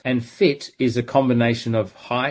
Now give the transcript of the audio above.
dan fitur adalah kombinasi tingkat dan umur